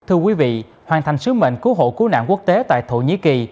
thưa quý vị hoàn thành sứ mệnh cứu hộ cứu nạn quốc tế tại thổ nhĩ kỳ